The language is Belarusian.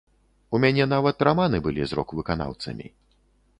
У мяне нават раманы былі з рок-выканаўцамі.